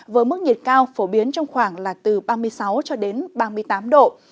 với mức nhiệt cao phổ biến trong khoảng là từ ba mươi sáu cho đến ba mươi tám độ